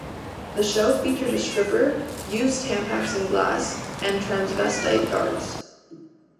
The show featured a stripper, used Tampax in glass, and transvestite guards.